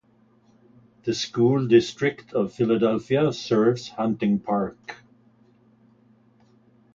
The School District of Philadelphia serves Hunting Park.